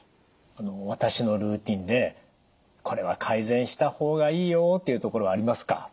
私のルーティンでこれは改善した方がいいよというところはありますか？